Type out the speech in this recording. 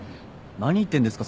何言ってんですか？